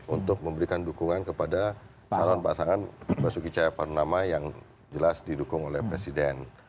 untuk memberikan dukungan kepada calon pasangan basuki cahaya purnama yang jelas didukung oleh presiden